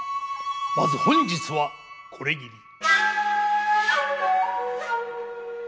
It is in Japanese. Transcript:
まず本日はこれぎり。